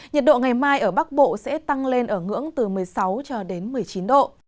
nhiệt độ ngày mai ở bắc bộ sẽ tăng lên ở ngưỡng từ một mươi sáu cho đến một mươi chín độ